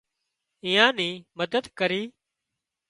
ايئان نِي مدد ڪري